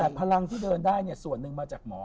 แต่พลังที่เดินได้ส่วนหนึ่งมาจากหมอ